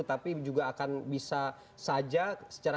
tapi juga akan bisa saja secara